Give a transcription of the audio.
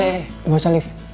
eh gak usah liv